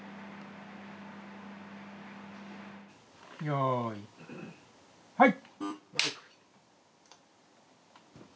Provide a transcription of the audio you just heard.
よーい、はい。